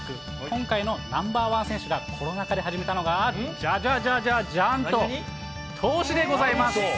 今回のナンバー１選手がコロナ禍で始めたのが、じゃじゃじゃじゃんと、投資でございます。